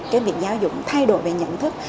cái việc giáo dục thay đổi về nhận thức